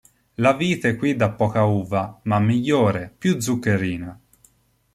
La vite qui dà poca uva, ma migliore, più zuccherina.